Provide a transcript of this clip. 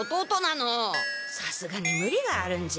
さすがにムリがあるんじゃ。